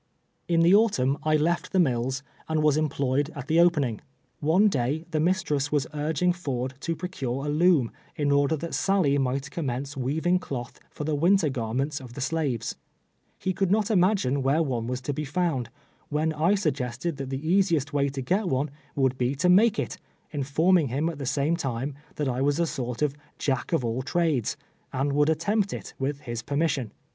In the autumn, I left the mills, and was employed at the opening. One day the mistress was urging Ford to procure a loom, in order that Sally might commence weaving cloth for the winter garments of the slaves, lie could not imagine M'here one was to be found, when I suggested that the easiest M'ay to iret one would be to make it, informino; him at the same time, that I was a sort of " Jack at all trades," and would attt'uipt it, with his permission.